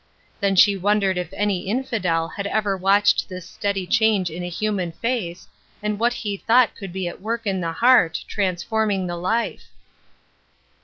Then she wondered if any infidel had ever watched this steady change in a human face, and what he thought could be at work in the heart, transform ing the life.